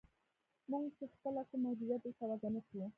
موږ چې خپله کوم محدودیت ورته وضع نه کړو